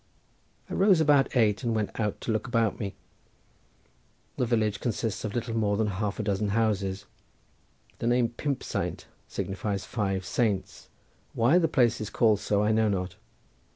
I arose about eight and went out to look about me. The village consists of little more than half a dozen houses. The name "Pump Saint" signifies "Five Saints." Why the place is called so I know not.